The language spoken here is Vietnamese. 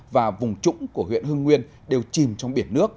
và vùng trũng của huyện hưng nguyên đều chìm trong biển nước